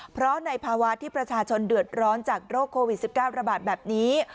เพราะในภาวะที่ประชาชนเดือดร้อนจากโรคโควิด๑๙ระบาดแบบนี้